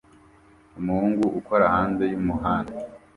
Umuhungu ukora hanze yumuhanda